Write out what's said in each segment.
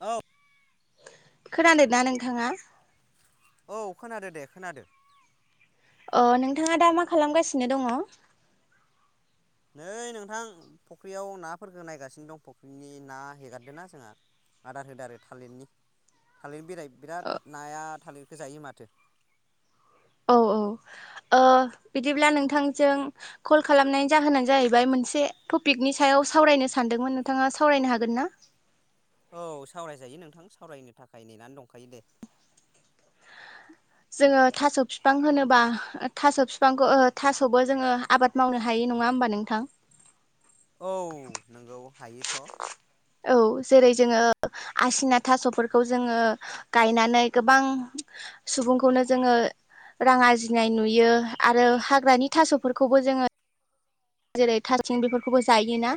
औ। खोनादोना नोंथाङा? औ खोनादो दे खोनादो। अ नोंथाङा दा मा खालामगासिनो दङ? नै नोंथां फुख्रियाव नाफोरखौ नायगासिनो दं फुख्रिनि ना हेगारदों ना जोंहा। आदार होदो आरो थालिरनि थालिर बिलाय बिराद नाया थालिरखौ जायो माथो। औ औ। ओ बिदिब्ला नोंथांजों कल खालामनायनि जाहोनानो जाहैबाय मोनसे टपिकनि सायाव याव सावरायनो सानदोंमोन नोंथाङा सावरायनो हागोन ना? [inaudible] औ सावरायजायो नोंथां सावरायनो थाखाय नेनानै दंखायो दे। जोङो थास' बिफां होनोबा थास' बिफांखौ ओ थास'बो जोङो आबाद मावनो हायो। नङा होनोमबा नोंथां? औ नोंगौ हायोथ'। औ जेरै जोङो आसिना थास'फोरखौ जोङो गायनानै गोबां सुबुंखौनो जोङो रां आरजिनाय नुयो आरो हाग्रानि थास'फोरखौबो जोङो जेरै थास' आइथिं बेफोरखौबो जायोना।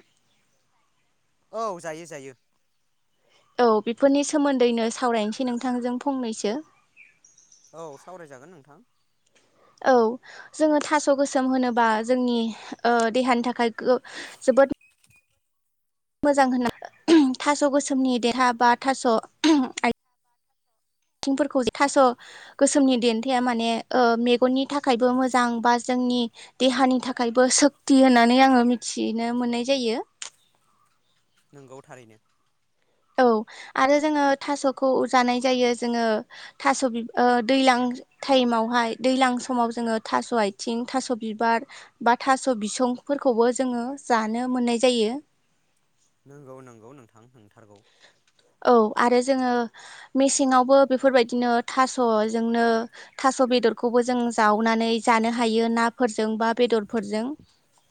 औ जायो जायो। औ बेफोरनि सोमोन्दैनो सावरायनोसै नोंथांजों फंनैसो। औ सावरायजागोन नोंथां। औ जोङो थास' गोसोम होनोबा जोंनि ओ देहानि थाखाय गो जो बोद मोजां होनना [unintelligible] थास' गोसोमनि देहा बा थास' आइ आथिंफोरखौ थास' गोसोमनि देन्थाया माने ओ मेगननि थाखायबो मोजां बा जों जोंनि देहानि थाखायबो सोक्ति होननानै आङो मिथिनो मोननाय जायो। नंगौ थारैनो। औ आरो जोङो थास'खौ जानाय जायो जोङो थास' बि दैलां टाइमावहाय दैलां समाव जोङो थास' आथिं थास' बिबार बा थास' बिसं फोरखौबो जोङो जानो मोननाय जायो। नंगौ नंगौ नोंथां नंथारगौ। औ आरो जोङो मेसेङावबो बेफोरबायदिनो थास'जोंनो था थास' बेदरखौबो जों जावनानै जानो हायो नाफोरजों बा बेदरफोरजों।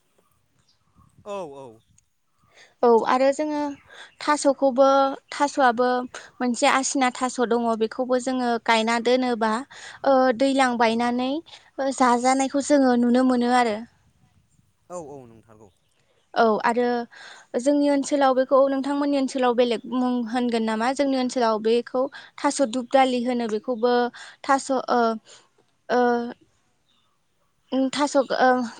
[inaudible] औ औ। औ आरो जोङो थास'खौबो थास'आबो मोनसे आसिना थास' द दङ' बेखौबो जोङो गायना दोनोब्ला ओ दैलां बायनानै ओ जाजानायखो खौ जोङो नुनो मोनो आरो। औ औ नंथारगौ। औ आरो जोंनि ओनसोलाव बेखौ नोंथांमोननि ओनसोलाव बेलेग मुं होनगोन नामा? जोंनि ओनसोल आव बेखौ थास' दुबदालि होनो। बेखौबो थास' ओ ओ ओम थास' ओ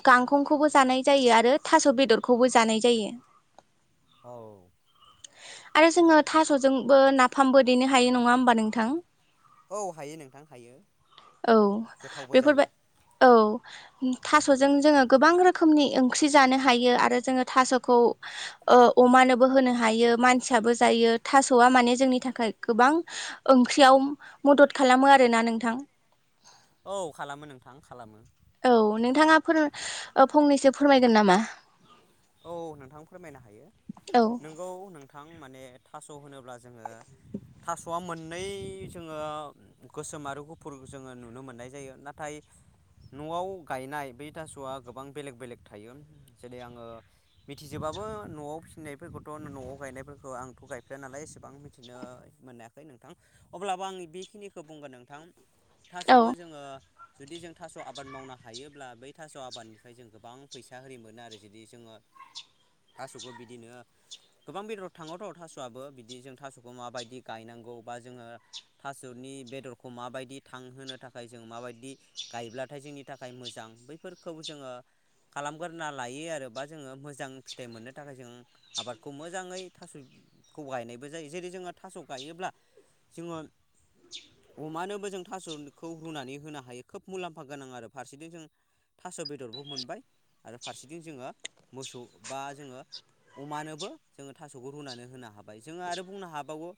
गांखंखौबो जानाय जायो आरो थास' बेदरखौबो जानाय जायो। औ। आरो जोङो थास'जोंबो नाफामबो देनो हायो नङा होमबा नोंथां? औ हायो नोंथां हायो औ गोथावबो बेफोरबाय जायो। औ थास'जों जोङो गोबां रोखोमनि ओंख्रि जानो हायो आरो जोङो थास'खौ ओ अमानोबो होनो हायो मानसियाबो जायो थास'आ माने जोंनि थाखाय गोबां ओंख्रियाव मदद खालामो आरोना नोंथां। औ खालामो नोंथां खालामो। औ नोंथाङा फोर फंनैसो फोरमायगोन नामा? औ नोंथां फोरमायनो हायो औ नोंगौ नोंथ गोथां माने थास' होनोब्ला जोङो थास'आ मोननै जोङो गोसोम आरो गुफुर जोङो नुनो मोननाय जायो नाथाय न'आव गायनाय बै थास'आ गोबां बेलेग बेलेग थायो जेरै आंङो मिथिजोबाबो न'आव फिनायफोरखौथ' न'आव गायनायफोरखौ आंथ' गायफेराया नालाय एसेबां मिथिनो मोनायाखै नोंथां अब्लाबो आं बेखिनिखौ बुंगोन नोंथां। औ थास'खो जोङो जुदि जों थास' आबाद मावनो हायोब्ला बै थास' आबादनिफ्राय जों गोबां फैसा होरि मोनो आरो जुदि जोङो थास'खौ बिदिनो गोबां बेदराव थाङोथ' थास'आबो बिदि जों थास'खौ माबायदि गायनांगौ बा जोङो थास'नि बेदरखौ माबायदि थांहोनो थाखाय जों माबायदि गायब्लाथाय जोंनि थाखाय मोजां बैफोरखौ जोङो खालामग्रोना लायो आरो बा जोङो मोजां फिथाइ मोननो थाखाय जों आबादखौ मोजाङै थास'खौ गायनायबो जायो जेरै जोङो थास' गायोब्ला जोङो अमानोबो जों थास'खौ रुनानै होनो हायो खोब मुलाम्फा गोनां आरो फारसेथिं जों थास' बेदरबो मोनबाय आरो फारसेथिं जोङो मोसौ बा जोङो अमानोबो जोङो थास'खौ रुनानै होनो हाबाय जोङो आरो बुंनो हाबावो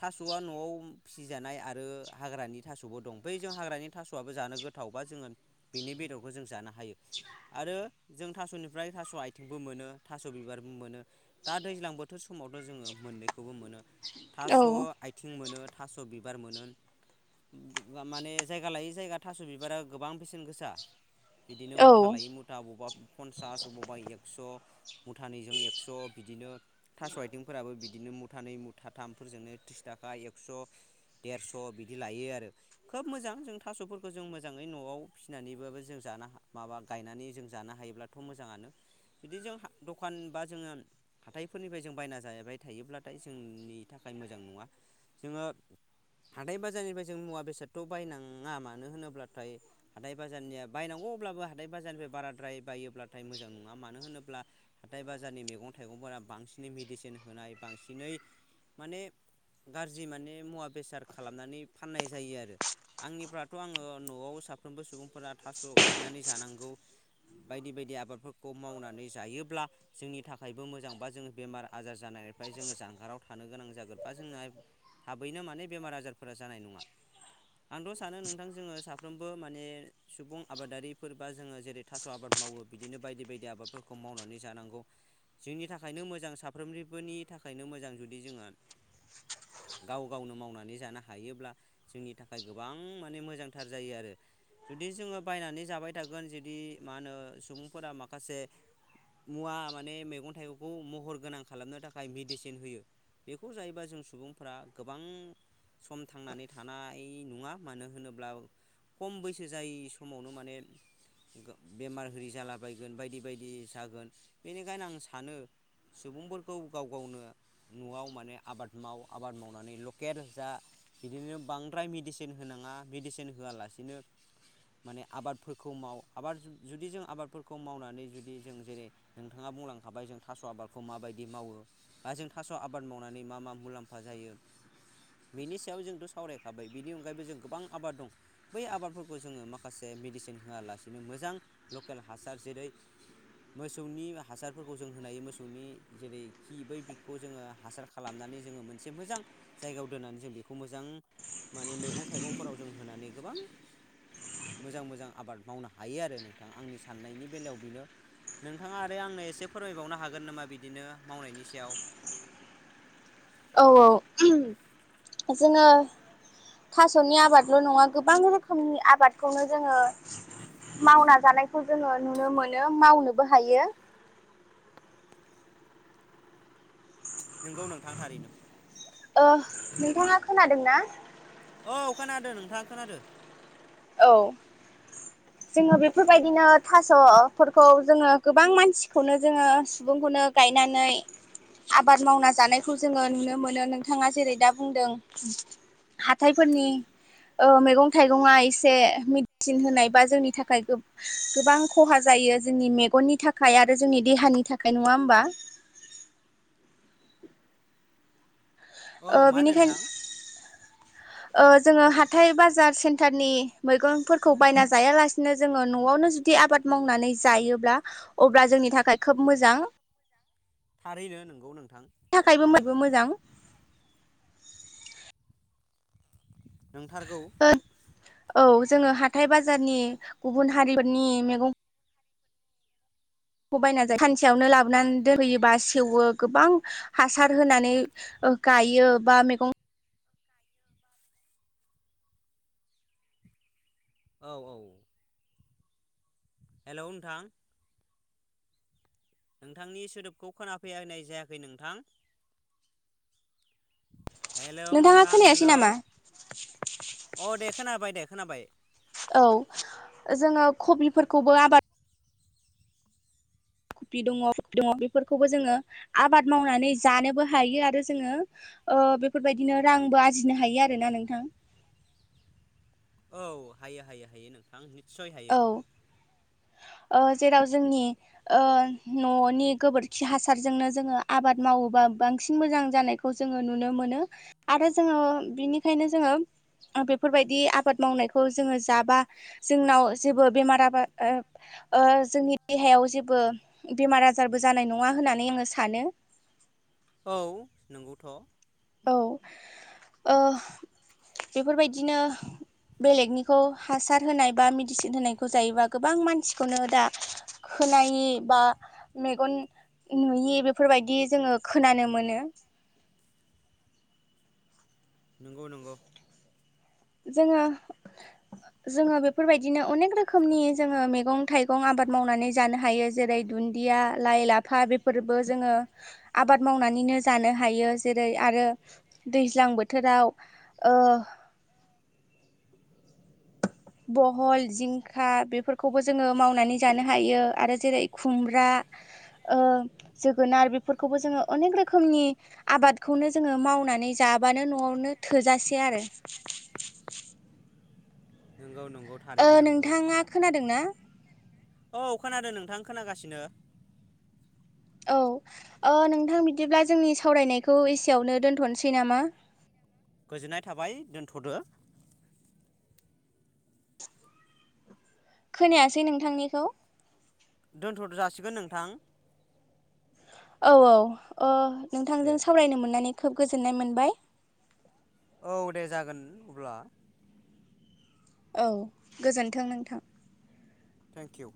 थास'आ न'आव फिसिजानाय आरो हाग्रानि थास'बो दं बै जों हाग्रानि थास'आबो जानो गोथाव। थावबा जोङो बेनि बेदरखौ जों जानो हायो आरो जों थास'निफ्राय थास' आथिंबो मोनो थास' बिबारबो मोनो दा दैज्लां बोथोर समावथ' जोङो मोननैखौबो मोनो। औ थास' आथिं मोनो थास' बिबार मोनो। माने जायगा लायै जायगा थास' बिबारा गोबां बेसेन गोसा। बिदिनो औ मुथा लायै मुथा बवबा पनसास बबावबा एक्स' मुथानैजों एक्स' बिदिनो थास' आइथिंफोराबो बिदिनो मुथानै मुथाथामजोंनो त्रिस थाखा एकस' देरस' बिदि लायो आरो खोब मोजां जों थास'फोरखौ जों मोजाङै न'आव फिसिनानैबाबो जों जानो माबा गायनानै जों जानो हायोब्लाथ' मोजां। मोजाङानो जुदि जों दखान बा जोङो हाथाइफोरनिफ्राय जों बायना जाबाय थायोब्लाथाय जों नि थाखाय मोजां नङा जोंङो हाथाय बाजारनिफ्राय जों मुवा बेसादथ बायनाङा मानो होनोब्लाथाय हाथाय बाजारनिया बायनांगौ अब्लाबो हाथाय बाजारनिफ्राय बाराद्राय बायोब्ला हाथाय मोजां नङा मानो होनोब्ला हाथाय बाजारनि मैगं थाइगंफोरा बांसिनै मेडिसिन होनाय बांसिनै माने गाज्रि माने मुवा बेसाद खालामनानै फाननाय जायो आरो आंनिफ्राथ आंङो न'आव साफ्रोम सुबुंफोरा थास गायनानै जानांगौ बायदि बायदि आ आबादफोरखौ मावनानै जायोब्ला जोंनि थाखायबो मोजां बा जों बेमार आजार जानायनिफ्राय जोंङो जानाराव था थानो गोनां जागोन बा जोंना थाबैनो माने बेमार आजारफोरा जानाय नङा। आंथ सानो नोंथां जोंङो साफ्रोमबो माने सुबुं आबादारिफोरबा जोंङो जेरै थास आबाद मावो। बिदिनो बायदि बायदि आबादफोरखौ मावनानै जानांगौ जोंनि थाखायनो मोजां साफ्रोमनिबोनि थाखायनो मोजां जुदि जोंङो गाव गावनो मावनानै जानो हायोब्ला जोंनि थाखाय गोबां माने मोजांथार जायो आरो। जुदि जोंङो बायनानै जाबाय थागोन जुदि मा होनो सुबुंफोरा माखासे मुवा माने मैगं थाइगंखौ महर गोनां खालामनो थाखाय मेडिसिन होयो। बेखौ जायोबा जों सुबुंफोरा गोबां सम थांनानै थानाय नङा मानो होनोब्ला खम बैसो जायै समावनो माने बेमार हिरि जालाबायगोन बायदि बायदि जागोन बेनिखायनो आं सानो सुबुंफोरखौ गाव गावनो न'आव माने आबाद माव आबाद मावनानै लकेल जा। बिदिनो बांद्राय मेडिसिन होनाङा मेडिसिन होआलासिनो माने आबादफोरखौ माव आबाद जु जुदि जों आबाद फोरखौ मावनानै जुदि जों जेरै नोंथाङा बुंलांखाबाय जों थास आबादखौ माबायदि मावो बा जों थास' आबाद मावनानै मा मा मुलाम्फा जायो। बेनि सायाव जोंथ सावरायखाबाय बिनि अनगायैबो जों गोबां आबाद दं बै आबादफोरखौ जोंङो माखासे मेडिसिन होआलासिनो मोजां लकेल जेरै मोसौनि हासारफोरखौ जों होनोहायो मोसौनि जेरै खि बैखौ जोंङो हासार खालामनानै जोंङो मोनसे मोजां जायायाव दोननानै जों बेखौ मोजां माने मैगं थाइगंफोराव जों होनानै गोबां मोजां मोजां आबाद मावनो हायो आरो नोंथाङा आंनि सा साननायनि बेलायाव बेनो नोंथाङा आरो आंनो एसे फोरमायबावनो हागोन नामा बिदिनो मावनायनि सायाव? [inaudible] औ औ जोंङो थास'नि आबादल नङा गोबां रोखोमनि आबादखौनो जोंङो मावना जानायखौ जोंङो नुनो मोनो मावनोबो हायो। [inaudible] नंगौ नोंथां थारैनो ओ नोंथाङा खोनादोंना औ खोनादों नोंथाङा खोनादों औ [inaudible] जोंङो बेफोरबायदिनो थासफोरखौ जोंङो गोबां मानसिखौनो जोंङो सुबुंखौनो गायनो अनानै आबाद मावना जानायखौ जोंङो नुनो मोनो नोंथाङा जेरै दा बुंदों हाथायफोरनि ओ मैगं थाइगंआ एसे से मेडिसिन होनाय बा जोंनि थाखाय गोबां खहा जायो जोंनि मेगननि थाखाय आरो जोंनि देहानि थाखाय नङा होमबा [inaudible] औ ओ मा होनदों बिनिखायनो नोंथां? ओ जोङो हाथाय-बाजार, सेन्टारनि मैगंफोरखौ बायना जायालासेनो जोङो न'आवनो जुदि आबाद मावनानै जायोब्ला अब्ला जोंनि थाखाय खोब मोजां थारैनो नोंगौ नोंथां थाखायबो बयबो मो मोजां नोंथारगौ औ जोङो हाथाइ बाजारनि गुबुन हारिफोरनि मैगं खौ बायना जायो सानसेयावनो लाबोनानै दोनफैयोबा सेवो गोबां हासार होनानै ओ गायो बा मैगं औ औ हेल' नोंथां नोंथांनि सोदोबखौ खोनाफैनाय जायाखै नोंथां हेलौ नोंथाङा नोंथां खोनायासै हेलौ। नामा अ दे खोनाबाय दे खोनाबाय औ जोङो कबिफोरखौबो आबाद कफि दङ कफि दङ बेफोरखौबो जोङो आबाद मावनानै जानोबो हायो आरो जोङो ओ बेफोरबायदिनो रांबो आरजिनो हायो आरो ना नोंथां औ हायो हायो हायो नोंथां निस्सय हायो औ ओ जेराव जोंनि ओ न'नि गोबोरखि हासारजोंनो जोङो आबाद माव मावोबा बांसिन मोजां जानायखौ जोङो नुनो मोनो आरो जोङो बिनिखायनो जोङो बेफोरबायदि आबाद मावनायखौ जोङो जाबा जोंनाव जेबो बेमार आबार ओ ओ जोंनि देहायाव जेबो बेमार आजारबो जानाय नङा हो होननानै आङो सानो। औ नंगौथ'। औ ओ बेफोरबायदिनो बेलेगनिखौ हासार होनाय बा मेडिसिन होनायखौ जायोबा गोबां मानसिखौनो दा खानायि बा मेगन नुयि बेफोरबायदि जोङो खोनानो मोनो ‌। नंगौ नंगौ। जोङो जोङो बेफोरबायदिनो अनेक रोखोमनि जोङो मैगं थाइगं आबाद मावनानै जानो हायो जेरै दु न्दिया, लाइ, लाफा बेफोरबो जोङो आबाद मावनानैनो जानो हायो जेरै आरो दैज्लां बोथोराव ओ बहल, जिंखा बेफोरखौबो जोङो मावनानै जानो हायो आरो जेरै खुमब्रा ओ जोगोनार बेफोरखौबो जोङो अनेक रोखोमनि आबादखौनो जोङो माव नानै जाबानो न'आवनो थोजासे आरो। नंगौ नंगौ ओ थारैनो नंगौ नोंथाङा खोनादोंना औ खोनादों नोंथां। खोनागासिनो। औ ओ नोंथां बिदिब्ला जोंनि सावरायनायखौ एसेयावनो दोन्थ'नोसै नामा? गोजोननाय थाबाय दोनथ'दो। खोनायासै नोंथांनिखौ। दोनथ' जासिगोन नोंथां। औ औ अ दे नोंथांजों सावरायनो मोननानै खोब गोजोननाय मोनबाय। औ दे जागोन अब्ला। औ गोजोन्थों नोंथां। Thank U.